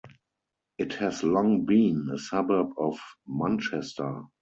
It has long been a suburb of Manchester.